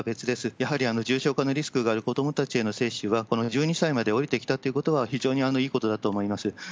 やはり重症化のリスクがある子どもたちへの接種は、この１２歳まで下りてきたってことは、非常にいいことだと思います。